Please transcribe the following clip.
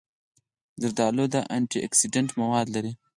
زردالو د انټي اکسېډنټ مواد لري.